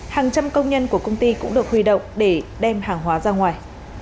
hàng trăm công nhân của công ty cũng được huy động để đem hàng hóa ra ngoài